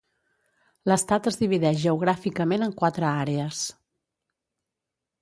L'estat es divideix geogràficament en quatre àrees.